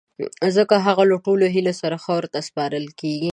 ځڪه هغه له ټولو هیلو سره خاورو ته سپارل کیږی